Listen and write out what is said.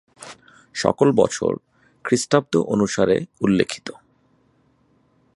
সকল বছর খ্রিস্টাব্দ অনুসারে উল্লেখিত।